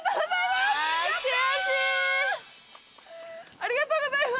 ありがとうございます。